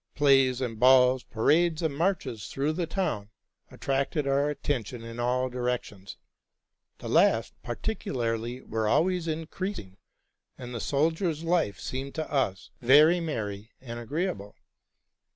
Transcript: Plays and balls, parades, and marches through the town, attracted our attention in all directions. The last particularly were always increasing, and the sol diers' life seemed to us very merry and agreeable.